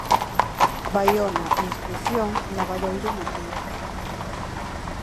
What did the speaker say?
Baiona Inscrición lavadoiro no río Groba.